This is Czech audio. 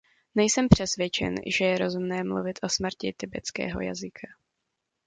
Nejsem přesvědčen, že je rozumné mluvit o smrti tibetského jazyka.